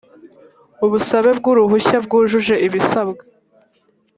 ubusabe bw uruhushya bwujuje ibisabwa